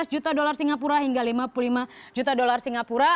lima belas juta dolar singapura hingga lima puluh lima juta dolar singapura